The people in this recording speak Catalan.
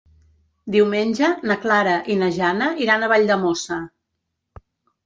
Diumenge na Clara i na Jana iran a Valldemossa.